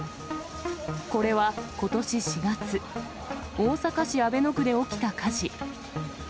これはことし４月、大阪市阿倍野区で起きた火事。